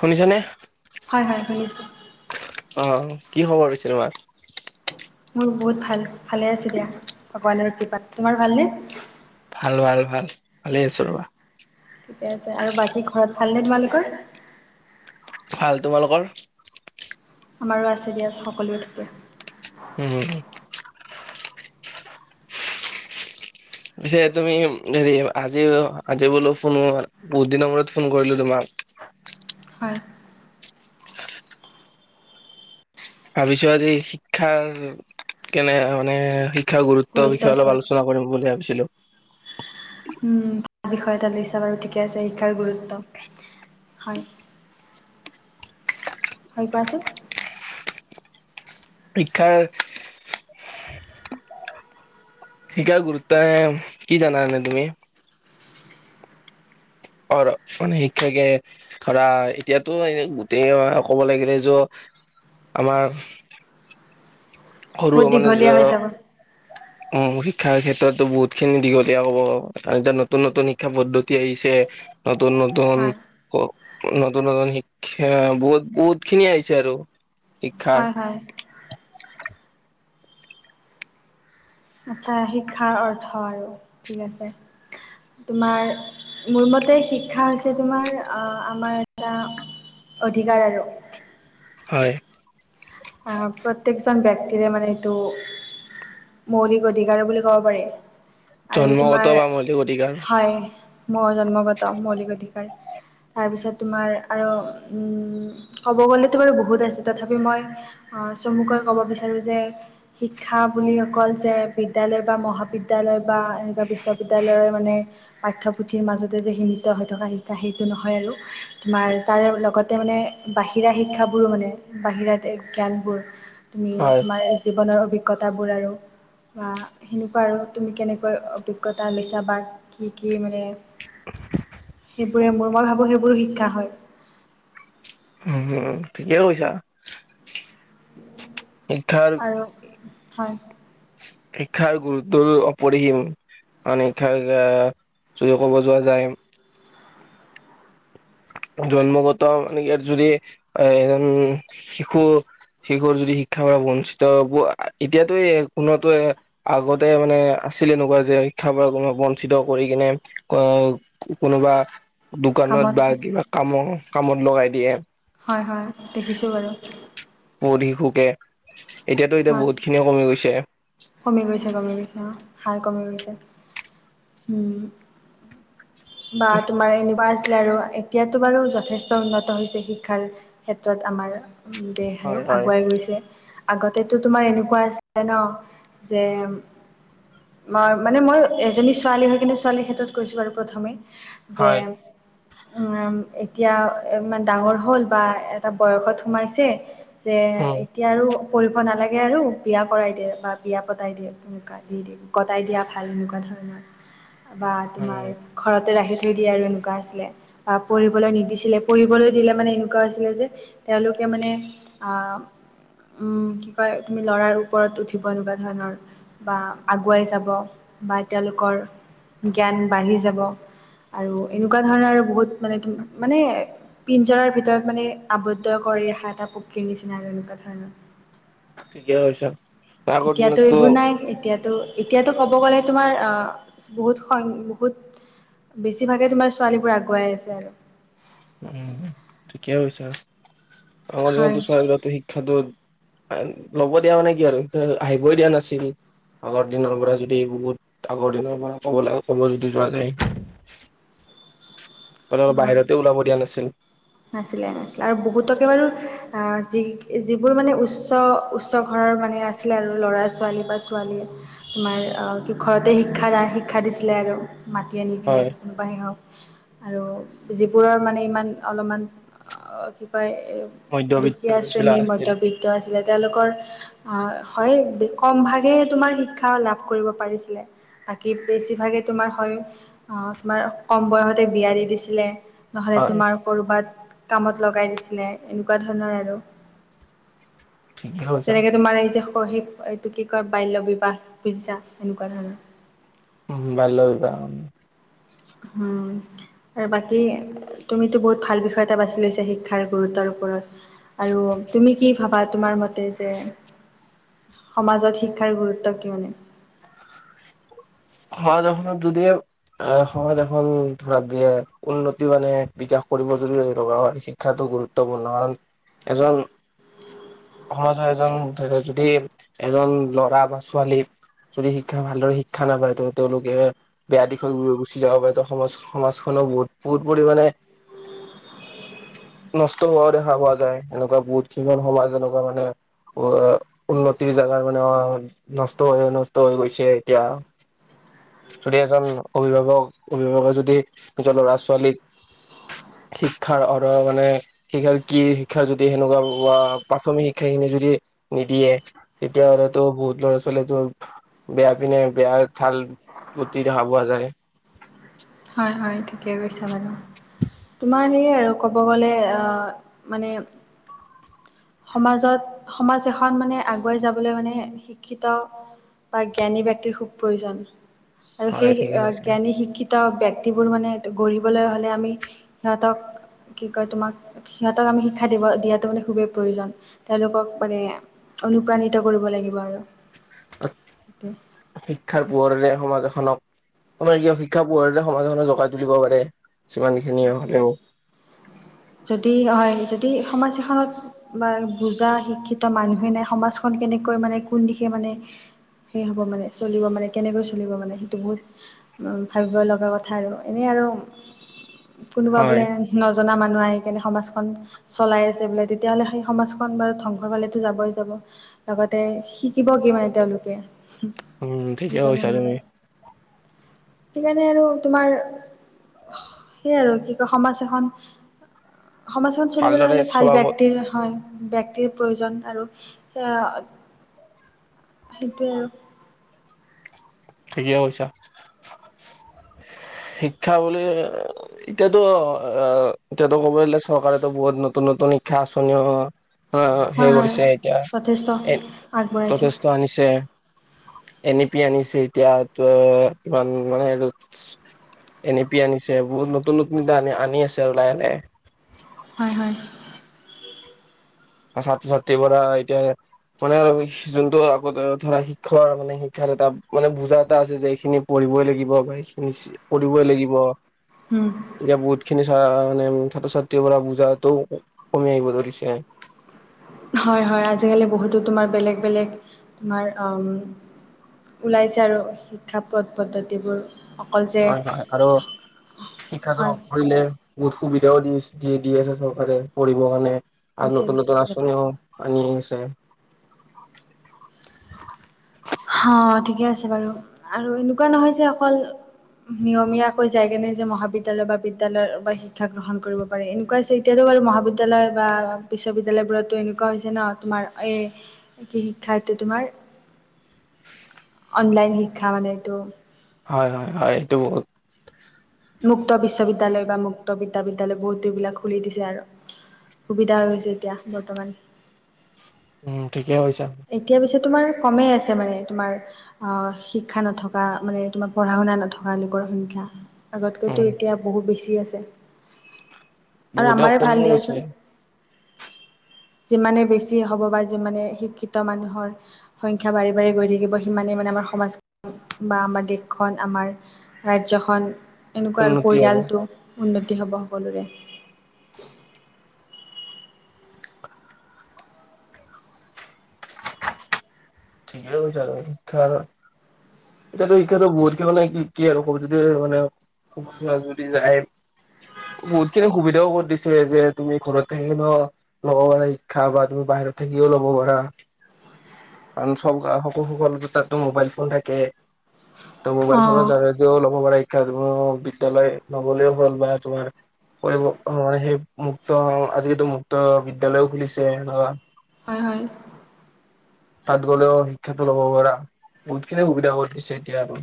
শুনিছানে হয় হয় শুনিছো অ কি খবৰ পিছে তোমাৰ মোৰ বহুত ভাল ভালে আছো দিয়া ভগৱানৰ কৃপাত তোমাৰ ভালনে ভাল ভাল ভাল ভালে আছো ৰবা ঠিকে আছে আৰু বাকী ঘৰত ভালনে তোমালোকৰ ভাল তোমালোকৰ আমাৰো আছে দিয়া সকলোৱে ঠিকে উম পিছে তুমি হেৰি আজিও আজি বোলো ফোন বহুত দিনৰ মূৰত ফোন কৰিলো তোমাক। [unintelligible] হয় ভাবিছো আজি শিক্ষাৰ কেনে মানে শিক্ষা গুৰুত গুৰুত্বৰ বিষয়ে অলপ ওপৰত আলোচনা কৰিম বুলি ভাবিচিলোঁ। উম তাৰ বিষয়ে এটা লৈছা বাৰু ঠিকে আছে শিক্ষাৰ গুৰুত্ব। হয়। হেৰি কোৱাচোন? শিক্ষাৰ শিকা গুৰুত্বই কি জানা এনেই তুমি? অ মানে শিক্ষাকে ধৰা এতিয়াতো এ গোটেই ক'ব লাগিলে য আমাৰ সৰু বহুত মানে দীঘলীয়া হৈ যাব য অ শিক্ষাৰ ক্ষেত্ৰতো বহুত খিনি দিঘলীয়া হব এতিয়া নতুন নতুন শিক্ষা পদ্ধতি আহিছে। নতুন নতুন হয় ক নতুন নতুন শিক্ষা বহুত বহুত খিনি আহিছে আৰু শিক্ষাৰ হয় হয় আচ্ছা শিক্ষাৰ অৰ্থ আৰু ঠিক আছে। তোমাৰ মোৰ মতে শিক্ষা হৈছে তোমাৰ আহ আমাৰ এটা অধিকাৰ আৰু হয় যে মানে এইটো মৌলিক অধিকাৰ বুলি ক'ব পাৰি। আৰু জন্মগত তোমাৰ বা মৌলিক অধিকাৰ হয় মোৰ জন্মগত মৌলিক অধিকাৰ। [unintelligible] তাৰপিছত তোমাৰ আৰু ক'ব গ'লে তো বাৰু বহুত আছে তথাপি মই অ চমুকৈ কব বিচাৰো যে শিক্ষা বুলি অকল যে বিদ্যালয় বা মহাবিদ্যালয় দালৈ বা এনেকুৱা বিশ্ববিদ্যালয়ৰ মানে পাঠ্যপুথিৰ মাজতে যে সীমিত হৈ থকা শিক্ষা সেইটো নহয়। হয় আৰু তোমাৰ তাৰে লগতে মানে বাহিৰা শিক্ষাবোৰো মানে বাহিৰাতে জ্ঞানবোৰ তুমি হয় তোমাৰ জীৱনৰ অভিজ্ঞতাবোৰ আৰু বা সেনেকুৱা আৰু তুমি কেনেকৈ অভিজ্ঞতা লৈছা বা কি কি মানে সেইবোৰে মোৰ মই ভাবো সেইবোৰো শিক্ষা হয়। উম ঠিকে কৈছা শিক্ষাৰ আৰু হয় শিক্ষাৰ গুৰুত্বৰ অপৰিসীম। আন শিক্ষা যদিও ক'ব যোৱা যায়। জন্মগত মানে ইয়াত যদি এ এ শিশু শিশু যদি শিক্ষাৰ পৰা বঞ্চিত এতিয়াতে কোনোত আগতে মানে আছিলে এনেকুৱা যে শিক্ষা ৰ পৰা কোনোবা বঞ্চিত কৰি কিনে কোনোবা দুকানত কামত বা ম কামত লগাই দিয়ে। হয় হয় দেখিছো বাৰু। বহুত শিশুকে এতিয়াতো এতিয়া হয় বহুত খিনিয়ে কমি গৈছে। কমি গৈছে কমি গৈছে অ হাৰ কমি গৈছে উম বা তোমাৰ এনিবাছে আছিলে আৰু এতিয়াতো বাৰু যথেষ্ট উন্নত হৈছে শিক্ষাৰ ক্ষেত্ৰত আমাৰ দে আৰু হয় হয়। আগুৱাই গৈছে আগতেতো তোমাৰ এনেকোৱা আছিলে ন যে মই মানে মই এজনী ছোৱালী হৈ কিনে ছোৱালীৰ ক্ষেত্ৰত কৈছো বাৰু প্ৰথমে যে হয় উম এতিয়া ইমান ডাঙৰ হ'ল বা এটা বয়সত সোমাইছে যে উম এতিয়া আৰু কৰিব নালাগে আৰু বিয়া কৰাই দিয়ে বা বিয়া পতাই দিয়ে তেনেকোৱা দি দিয়ে কটাই দিয়া ভাল এনেকোৱা ধৰণৰ বা তোমাৰ উম ঘৰতে ৰাখি থৈ দিয়ে আৰু এনেকোৱা আছিলে বা পঢ়িবলৈ নিদিছিলে পঢ়িবলৈ দিলে মানে এনেকোৱা হৈছিলে যে তেওঁলোকে মানে আ উম কি কয় তুমি লৰাৰ ওপৰত উঠিব এনেকোৱা ধৰণৰ বা আগুৱাই যাব বা তেওঁলোকৰ জ্ঞান বাঢ়ি যাব [inaudible] আৰু এনেকুৱা ধৰণৰ আৰু বহুত মানে মানে পিঞ্জৰাৰ ভিতৰত মানে আবদ্ধ কৰি দে এটা পক্ষীৰ নিচিনা আৰু এনেকুৱা ধণ ঠিকে কৈছা আগৰ এতিয়াতো দিনততো এইবোৰ নাই এতিয়া। তো এতিয়াতো ক'ব গ'লে তোমাৰ বহুত বহুত বেছিভাগে তোমাৰ ছোৱালীবোৰ আগুৱাই আছে আৰু উম ঠিকে কৈছা আমাৰ হয় যিহেতু চাৰবিল শিক্ষাটো ল'ব দিয়া মানে কি আৰু আহিবই দিয়া নাছিল আগৰ দিনৰ পৰা যদি বহুত আগৰ দিনৰ পৰা ক'ব লাগে ক'ব যদি যোৱা যায় [unintelligible] হয় বাহিৰতে ওলাব দিয়া নাছিল নাছিলে নাছিলে আৰু বহুতকে বাৰু অ যি যিবোৰ মানে উচ্চ উচ্চ ঘৰৰ মান আছিলে আৰু ল'ৰা ছোৱালী বা ছোৱালীয়ে তোমাৰ কি ঘৰতে শিক্ষা শিক্ষা দিছিলে আৰু মাতি আনি কিনে হয় কোনোবা শি হক আৰু যিবোৰৰ মানে ইমান অলপমান কি কয় মধ্যবিত্ত দুখীয়া যোনবিলাক শ্ৰেণীৰ আছিল মধ্যবিত্ত আছে তেওঁলোকৰ অহ হয় কম ভাগে তোমাৰ শিক্ষা লাভ কৰিব পাৰিছিলে বাকী বেছিভাগে তোমাৰ হয় অ তোমাৰ কম বয়সতে বিয়া দি দিছিলে নহ'লে হয় তোমাৰ ঘত কামত লগাই দিছিলে এনেকোৱা ধৰণৰ আৰু ঠিকেই কৈছা তেনেকে তোমাৰ নি যে পঢ়ি এইটো কি কয় বাল্য বিবাহ পিজ্জা এনেকোৱা ধৰণৰ উ বাল্য বিবাহ উম উম আৰু বাকী তুমিতো বহুত ভাল বিষয় এটা বাছি লৈছা শিক্ষাৰ গুৰুত্বৰ ওপৰত আৰু তুমি কি ভাবা তোমাৰ মতে যে সমাজত শিক্ষাৰ গুৰুত্ব কিয়নে হয় যখোন যদিহে এ সমাজ এখন ধৰা বি উন্নতি মানে বিকাশ কৰিব যদি লগা হয় শিক্ষাতো গুৰুত্বপূৰ্ণ কাৰণ এজন সমাজৰ এজন যদি এজন ল'ৰা বা ছোৱালী যদি শিক্ষা ভালদৰে শিক্ষা নাপায় ত তেওঁলোকে বেয়া দিশত গুচি যাব পাৰে তো সমাজ সমাজখনো বহুত বহুত পৰিমাণে [unintelligible] নষ্ট হোৱাও দেখা পোৱা যায় এনেকুৱা বহুত কেইখন সমাজ এনেকুৱা মানে অ উন্নতিৰ জেগাত মানে অ নষ্ট হৈ নষ্ট হৈ গৈছে এতিয়া যদি এজন অভিভাৱক অভিভাৱকে যদি নিজৰ ল'ৰা ছোৱালীক শিক্ষাৰ অৰ মানে শিক্ষাৰ কি শিক্ষাৰ যদি সেনেকুৱা ৱা প্ৰাথমিক শিক্ষা যদি নিদিয়ে তেতিয়াহ'লে টো বহুত ল'ৰা ছোৱালীয়ে টো বেয়া পিনে বেয়া ভাল গুটি দেখা পোৱা যায় হয় হয় ঠিকে কৈছা বাৰু তোমাৰ সেয়ে আৰু ক'ব গ'লে আহ মানে সমাজত সমাজ এখন মানে আগুৱাই যাবলৈ মানে শিক্ষিত বা হয় ঠিকে কৈছা। জ্ঞানী ত ব্যক্তিবোৰ মানে গ্ৰঢ়িবলৈ হ'লে আমি সিহঁতক কি কয় তোমাক সিহঁতক আমি শিক্ষা দিব দিয়াটো মানে খুবেই প্ৰয়োজন। তেওঁলোকক মানে অনুপ্ৰাণিত কৰিব লাগিব আৰু সেইটোৱে শিক্ষাৰ পোহৰেৰে সমাজ এখনক আপোনাৰ কিয় শিক্ষা পোহৰতে সমাজ এখনক জগাই তুলিব পাৰে যিমান খিনি সেইটোৱে, হ'লেও যদি হয় যদি সমাজ এখনত বা বুজা শিক্ষিত মানুহে নাই সমাজখন কেনেকৈ মানে কোন দিশে মানে সে হ'ব মানে চলিব মানে কেনেকৈ চলিব মানে সেইটো বহুত ভাবিব লগা কথা আৰু এনে আৰু আৰুম উ কোনোবা বোলে নজনা মানুহ নাই কেনে সমাজখন চলাই আছে বোলে তেতিয়াহ'লে সেই সমাজখন বাৰু ধ্বংসৰ পালেটো যাবই যাব লগতে শিকিব কি মানে তেওঁলোকে হোমহ, উম ‌ ঠিকে এনেকুৱা কৈছা ধৰণৰ তুমি। সেইকাৰণে আৰু তোমাৰ, অহ সেয়ে আৰু কি কয় সমাজ এখন সমাজ এখন চলিবলৈ ভালদৰে হ'লে ভাল চলাব ব্যক্তিৰ হয় ব্যক্তিৰ প্ৰয়োজন আৰু এ সেইটোৱে আৰু ঠিকে কৈছা শিক্ষা বুলি অঅ এতিয়াটো অ এতিয়াটো ক'ব গলে চৰকাৰে টো বহুত নতুন ন নতুন শিক্ষা আঁচনিও হয় হয় সে কৰিছে এতিয়া যথেষ্ট এ আগবঢ়াইছে যথেষ্ট আনিছে এনিপি আনিছে এতিয়া ত কিমান মানে এইটো এনেপি আনিছে বহুত নতুন নতুনটা আনি আনি আছে আৰু লাহে লাহে হয় হয় ছাত্ৰ ছাত্ৰীৰ পৰা এতিয়া মানে আৰু যোনটো আকৌ ধৰা শিকোৱাৰ মানে শিক্ষা এটা মানে বুজা এটা আছে যে এইখিনি পঢ়িবই লাগিব বা এইখিনি কৰিবই লাগিব উম এতিয়া বহুত খিনি চা মানে ছাত্ৰ ছাত্ৰীৰ পৰা বুজাটো ক কমি আহিব ধৰিছে হয় হয় আজিকালি বহুতো তোমাৰ বেলেগ বেলেগ তোমাৰ অম ওলাইছে আৰু শিক্ষা পথ পদ্ধতিবোৰ অকল যে হয় হয় আৰু শিক্ষাটো হয় কৰিলে বহুত সুবিধাও দি দি দি আছে চৰকাৰে পঢ়িব কাৰণে আৰু দিছে নতুন দিছে নতুন আচঁনি যথেষ্ট হওঁক আনি আছে হ ঠিকে আছে বাৰু আৰু এনেকুৱা নহয় যে অকল নিয়মীয়াকৈ যায় কেনে যে মহাবিদ্যালয় বা বিদ্যালয়ৰ বা শিক্ষা গ্ৰহণ কৰিব পাৰে এনেকুৱা আছে এতিয়াতো মহাবিদ্যালয় বা বিশ্ববিদ্যালয়বোৰতো এনেকুৱা হৈছে ন তোমাৰ এই কি শিক্ষা টো তোমাৰ অনলাইন শিক্ষা মানে এইটো হয় হয় হয় এইটো বহুত মুক্ত বিশ্ববিদ্যালয় বা মুক্ত বিদ্যা বিদ্যালয় বহুতো বিলাক খুলি দিছে আৰু সুবিধা হৈছে এতিয়া বৰ্তমান উম ঠিকে কৈছা এতিয়া পিছে তোমাৰ কমেই আছে মানে তোমাৰ অ শিক্ষা নথকা মানে তোমাৰ পঢ়া শুনা নথকা লোকৰ সংখ্যা আগতকৈতো উম এতিয়া বহুত বেছি আছে আৰু বহুতে আমাৰে ভাল কমিও দিয়াচোন গৈছে যিমানে বেছি হ'ব বা যিমানে শিক্ষিত মানুহৰ সংখ্যা বাৰে বাৰে গৈ থাকিব সিমানেই মানে আমাৰ সমাজ বা আমাৰ দেশখন আমাৰ ৰাজ্যখন এনেকোৱা আৰু উন্নতি হ'ব পৰিয়ালটো উন্নতি হ'ব সকলোৰে ঠিকে কৈছা আৰু শিক্ষা আৰু এতিয়াতো শিক্ষাটো বহুত কি মানে কি কি আৰু কপিটো দিয়ে সিমানেই আৰু। যদি যায় বহুত খিনি সুবিধাও কৰি দিছে, যে তুমি ঘৰত থাকিগেনেও লব পাৰা শিক্ষা বা তুমি বা বাহিৰত থাকিও লব পাৰা। কাৰণ চব সকলোটো তাতটো মোবাইল ফোন থাকে। তহ অ মোবাইল ফোনৰ দ্বাৰা দিও লব পাৰে শি ক্ষা বিদ্যালয় নগলেও হল বা তোমাৰ আকৌ এইবোৰ অ সেই মুক্ত আজিকালিতো মুক্ত বিদ্যালয়ও খুলিছে ধৰা। হয় হয়। তাত গ'লেও শিক্ষাটো ল'ব পাৰা, বহুতখিনি সুবিধা কৰি দিছে এতিয়া আৰু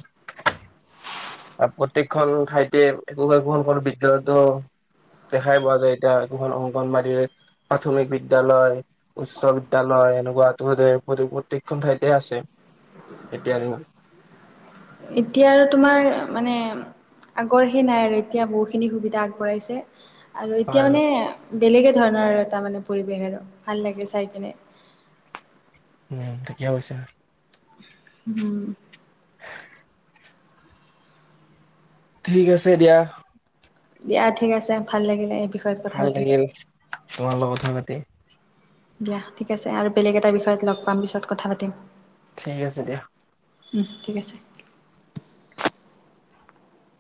আ প্ৰত্যেকখন ঠাইতে একোখন একোখন হ'ল বিদ্যালয়তো দেখাই পোৱা যায় এতিয়া একোখন অংগনবাদী, প্ৰাথমিক বিদ্যালয়, উচ্চ বিদ্যালয় এনেকোৱা তোমাৰতো প্ৰত্যেকখন ঠাইতে আছে এতিয়া দিনত। এতিয়া আৰু তোমাৰ মানে আগৰ সেই নাই আৰু এতিয়া বহুখিনি সুবিধা আগবঢ়াইছে আৰু এতিয়া হয় হয় মানে বেলেগে ধৰণৰ এটা মানে পৰিৱেশ আৰু, ভাল লাগে চাই কিনে। উম থিকে কৈছা। উম। ঠিক আছে দিয়া। দিয়া ঠিক আছে ভাল লাগিলে। বিষয়ত কথা ভাল পাতি লাগিল তোমাৰ লগত কথা পাতি। দিয়া ঠিক আছে আৰু বেলেগ এটা বিষয়ত লগ পাম পিছত কথা পাতিম। ঠিক আছে দিয়া উম ঠিক আছে।